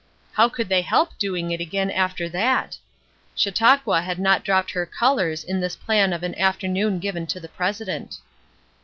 How could they help doing it again after that? Chautauqua had not dropped her colors in this plan of an afternoon given to the president.